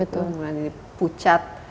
kemudian ini pucat